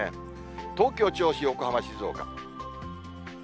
東京、銚子、横浜、静岡。